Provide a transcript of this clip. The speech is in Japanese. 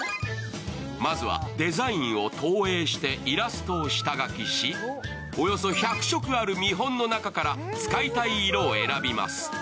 まずはデザインを投影してイラストを下書きし、およそ１００色ある見本の中から使いたい色を選びます。